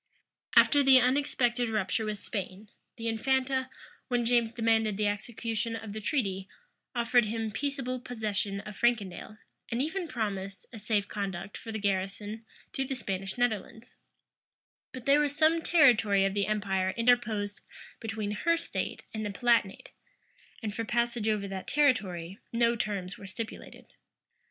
[*] After the unexpected rupture with Spain, the infanta, when James demanded the execution of the treaty, offered him peaceable possession of Frankendale, and even promised a safe conduct for the garrison through the Spanish Netherlands: but there was some territory of the empire interposed between her state and the Palatinate; and for passage over that territory, no terms were stipulated.